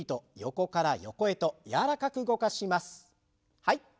はい。